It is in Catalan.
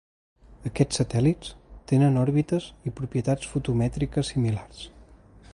Aquests satèl·lits tenen òrbites i propietats fotomètriques similars.